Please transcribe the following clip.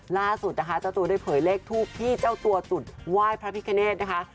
ล่าสุดนะคะเจ้าตัวได้เผยเลขทูปที่เจ้าตัวจุดไหว้พระพิคเนธนะคะ